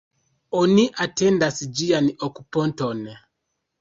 Oni atendas ĝian okuponton.